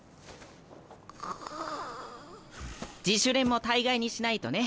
自主練も大概にしないとね。